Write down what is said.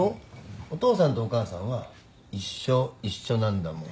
お父さんとお母さんは一生一緒なんだもん。